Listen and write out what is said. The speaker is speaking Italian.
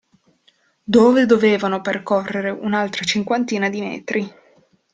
Dove dovevano percorrere un'altra cinquantina di metri.